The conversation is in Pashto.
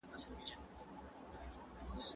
په خوراک کې احتیاط کول تر هر ډول درملو ډېر ګټور دی.